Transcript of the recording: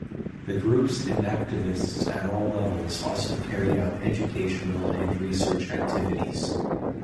The groups and activists at all levels also carry out educational and research activities.